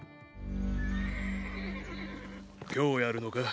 今日やるのか？